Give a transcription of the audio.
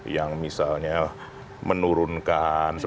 yang misalnya menurunkan